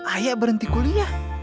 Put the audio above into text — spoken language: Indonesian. ayah berhenti kuliah